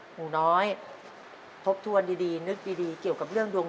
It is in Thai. หนุ่นน้อย